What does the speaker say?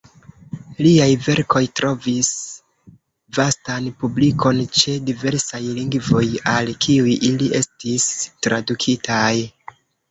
Liaj verkoj trovis vastan publikon ĉe diversaj lingvoj al kiuj ili estis tradukitaj.